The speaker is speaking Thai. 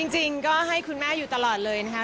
จริงก็ให้คุณแม่อยู่ตลอดเลยนะคะ